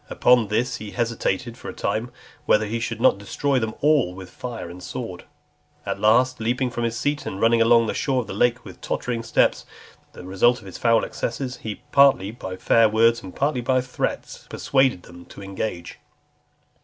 Upon this, he hesitated for a time, whether he should not destroy them all with fire and sword. At last, leaping from his seat, and running along the shore of the lake with tottering steps, the result of his foul excesses, he, partly by fair words, and partly by threats, persuaded them to engage.